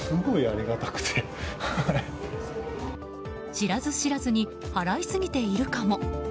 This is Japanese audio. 知らず知らずに払いすぎているかも？